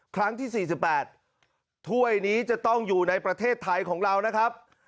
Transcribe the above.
ครั้งที่๔๘ถ้วยนี้จะต้องอยู่ในประเทศไทยของเรานะครับ